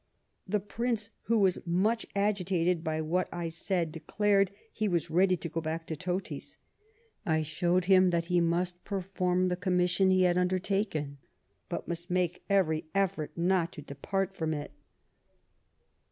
The Prince, who was much agitated by what I said, declared he was ready to go back to Totis. I showed him that he must perform the commission he had undertaken, but must make every effort not to depart from it."